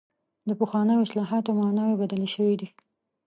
د پخوانیو اصطلاحاتو معناوې بدلې شوې دي.